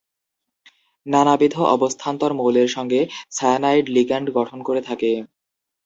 নানাবিধ অবস্থান্তর মৌলের সঙ্গে সায়ানাইড লিগ্যান্ড গঠন করে থাকে।